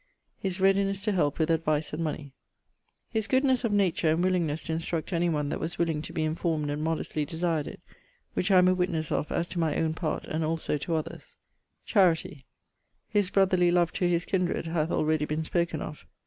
<_His readiness to help with advice and money._> His goodnes of nature and willingnes to instruct any one that was willing to be informed and modestly desired it, which I am a witnesse of as to my owne part and also to others. Charity. His brotherly love to his kinred hath already been spoken of.